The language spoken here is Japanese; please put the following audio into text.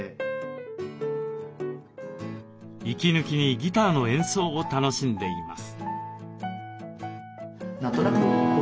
息抜きにギターの演奏を楽しんでいます。